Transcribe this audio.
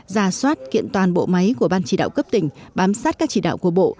ra soát kiện toàn bộ máy của ban chỉ đạo cấp tỉnh bám sát các chỉ đạo của bộ